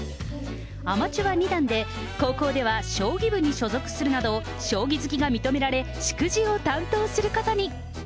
アマチュア２段で、高校では将棋部に所属するなど、将棋好きが認められ、祝辞を担当することに。